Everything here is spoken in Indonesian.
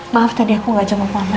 maaf tadi aku gak jemput mama